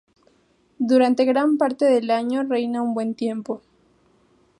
Durante gran parte del año reina un buen tiempo.